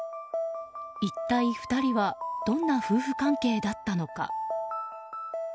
一体２人はどんな夫婦関係だったのか。